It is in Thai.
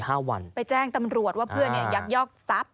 ห้าวันไปแจ้งตำรวจว่าเพื่อนเนี่ยยักยอกทรัพย